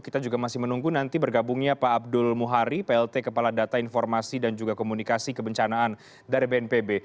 kita juga masih menunggu nanti bergabungnya pak abdul muhari plt kepala data informasi dan juga komunikasi kebencanaan dari bnpb